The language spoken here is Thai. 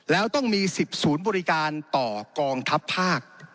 แล้วต้องมี๑๐ศูนย์บริการต่อกองทัพภาค